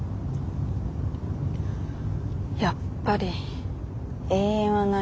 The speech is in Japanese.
やっぱり永遠はない。